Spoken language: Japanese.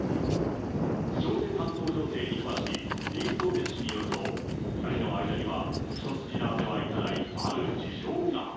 朝鮮半島情勢に詳しい李相哲氏によると、２人の間には一筋縄ではいかないある事情が。